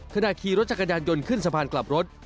ขณะขี่รถจักรยานยนต์ขึ้นสะพานกลับรถ